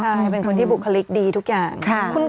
ใช่เป็นคนที่บุคลิกดีทุกอย่าง